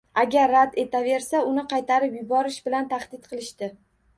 Agar rad etaversa uni qaytarib yuborish bilan tahdid qilishdi